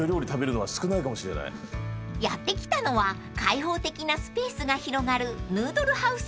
［やって来たのは開放的なスペースが広がる］